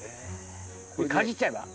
かじっちゃえば？